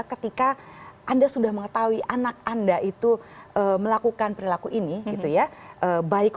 ketika anda sudah mengetahui anak anda itu melakukan perilaku ini gitu ya baik